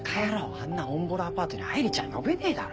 あんなおんぼろアパートに愛梨ちゃん呼べねえだろ。